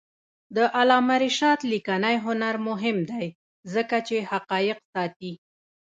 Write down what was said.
د علامه رشاد لیکنی هنر مهم دی ځکه چې حقایق ساتي.